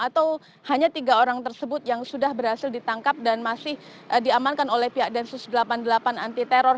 atau hanya tiga orang tersebut yang sudah berhasil ditangkap dan masih diamankan oleh pihak densus delapan puluh delapan anti teror